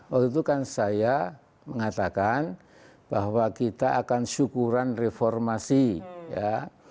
waktu itu kan saya mengatakan bahwa kita akan syukuran reformasi ya